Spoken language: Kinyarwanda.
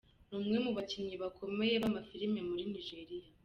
Ni umwe mu bakinnyi bakomeye b’amafilime muri Nigeriya.